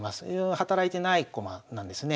働いてない駒なんですね。